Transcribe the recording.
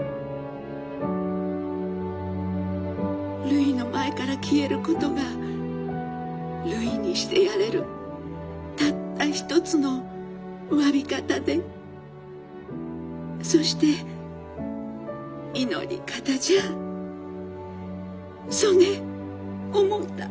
「るいの前から消えることがるいにしてやれるたった一つのわび方でそして祈り方じゃあそねえ思うた」。